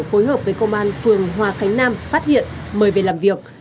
phối hợp với công an phường hòa khánh nam phát hiện mời về làm việc